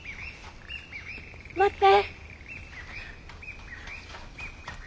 待って！